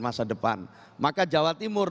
masa depan maka jawa timur